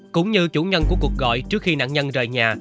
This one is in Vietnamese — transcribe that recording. cũng như chủ nhân của cuộc gọi trước khi nạn nhân rời nhà